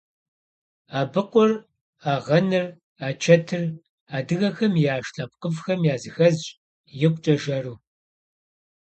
Абыкъур, агъэныр, ачэтыр - адыгэхэм яш лъэпкъыфӏхэм языхэзщ, икъукӏэ жэру.